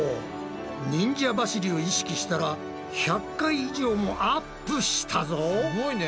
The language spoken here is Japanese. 忍者走りを意識したら１００回以上もアップしたぞ！